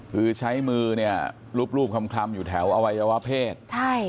คือใช้มือเนี่ยรูปคลำอยู่แถวอวัยวะเพศ